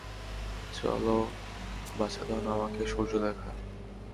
চল, বাছাধন, আমাকে সূর্য দেখা।